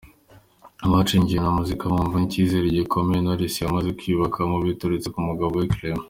Abacengewe na muzika bumvamo icyizere gikomeye Knowless yamaze kwiyubakoma biturutse ku mugabo we Clement.